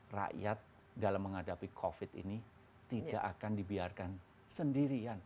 rakyat dalam menghadapi covid ini tidak akan dibiarkan sendirian